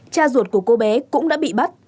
cha ruột của cô bé cũng đã bị bắt